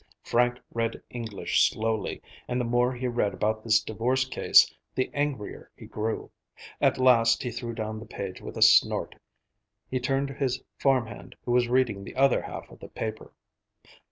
Frank read English slowly, and the more he read about this divorce case, the angrier he grew. At last he threw down the page with a snort. He turned to his farm hand who was reading the other half of the paper.